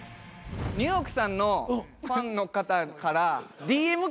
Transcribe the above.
ニューヨークさんのファンの方からＤＭ来たんすよ。